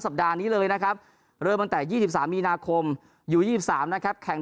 ทั้งสัปดาห์นี้เลยนะครับเริ่มตั้งแต่๒๓มีนาคม๒๓นะครับแข่ง